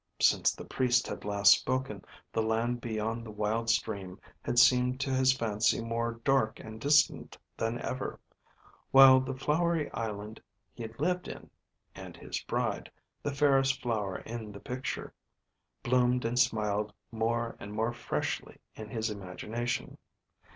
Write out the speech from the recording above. Since the Priest had last spoken, the land beyond the wild stream had seemed to his fancy more dark and distant than ever; while the flowery island he lived in and his bride, the fairest flower in the picture bloomed and smiled more and more freshly in his imagination.